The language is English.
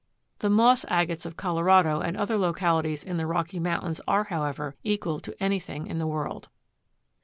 The moss agates of Colorado and other localities in the Rocky Mountains are, however, equal to anything in the world.